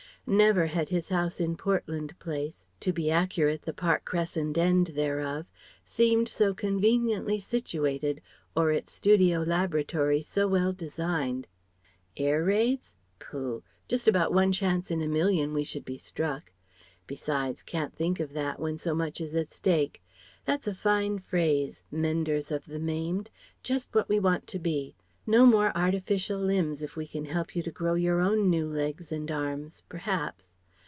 Never had his house in Portland Place to be accurate the Park Crescent end thereof seemed so conveniently situated, or its studio laboratory so well designed. "Air raids? Pooh! Just about one chance in a million we should be struck. Besides: can't think of that, when so much is at stake. That's a fine phrase, 'Menders of the Maimed.' Just what we want to be! No more artificial limbs if we can help you to grow your own new legs and arms perhaps.